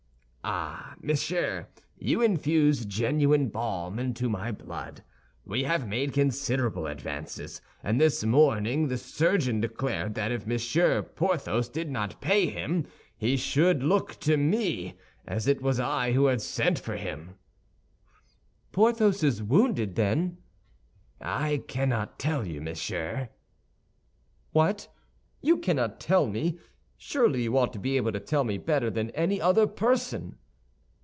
"Ah, monsieur, you infuse genuine balm into my blood. We have made considerable advances; and this very morning the surgeon declared that if Monsieur Porthos did not pay him, he should look to me, as it was I who had sent for him." "Porthos is wounded, then?" "I cannot tell you, monsieur." "What! You cannot tell me? Surely you ought to be able to tell me better than any other person."